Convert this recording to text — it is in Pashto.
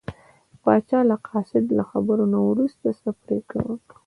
پاچا د قاصد له خبرو نه وروسته څه پرېکړه وکړه.